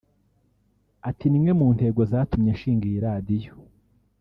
Ati “Ni imwe mu ntego zatumye nshinga iyi Radio